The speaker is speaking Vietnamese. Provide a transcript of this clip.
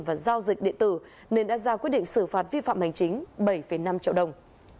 và giao dịch điện tử nên đã ra quyết định xử phạt vi phạm hành chính bảy năm triệu đồng